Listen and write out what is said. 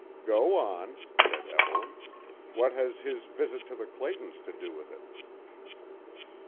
"Go on," said Evelyn. "What has his visit to the Claytons to do with it?"